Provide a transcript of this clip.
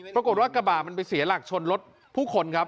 ปรากฏว่ากระบาดมันไปเสียหลักชนรถผู้คนครับ